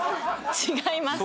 違います